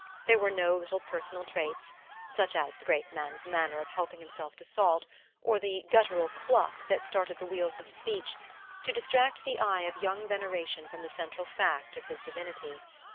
There were no little personal traits such as the great man's manner of helping himself to salt, or the guttural cluck that started the wheels of speech to distract the eye of young veneration from the central fact of his divinity.